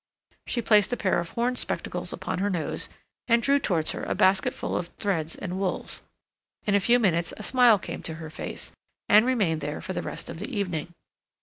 She placed a pair of horn spectacles upon her nose, and drew towards her a basketful of threads and wools. In a few minutes a smile came to her face, and remained there for the rest of the evening.